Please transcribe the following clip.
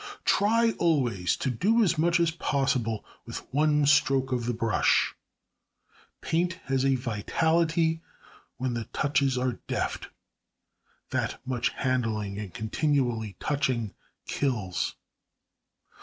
Try always to do as much as possible with one stroke of the brush; paint has a vitality when the touches are deft, that much handling and continual touching kills.